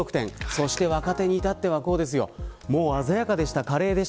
そして若手に至ってはこうですよ。